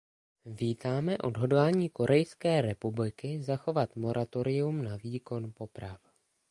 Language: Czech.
Vítáme odhodlání Korejské republiky zachovat moratorium na výkon poprav.